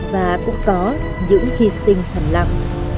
ta cũng có giữ hy sinh thành lập